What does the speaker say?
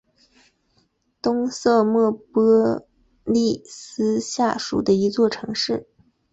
东瑟莫波利斯下属的一座城市。